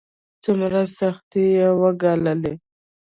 څومره سختۍ يې وګاللې.